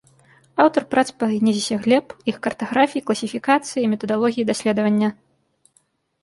Аўтар прац па генезісе глеб, іх картаграфіі, класіфікацыі і метадалогіі даследавання.